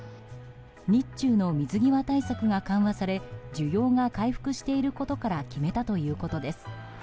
日中の水際対策が緩和され需要が回復していることから決めたということです。